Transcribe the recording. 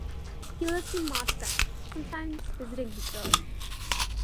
He lived in Moscow, sometimes visiting his village.